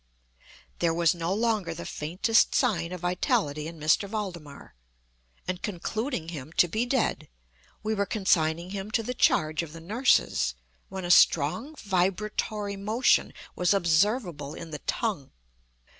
There was no longer the faintest sign of vitality in M. Valdemar; and concluding him to be dead, we were consigning him to the charge of the nurses, when a strong vibratory motion was observable in the tongue.